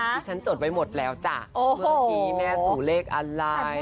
ที่ฉันจดไว้หมดแล้วจ้ะเมื่อกี้แม่สู่เลขอะไร